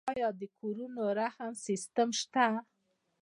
آیا د کورونو رهن سیستم شته؟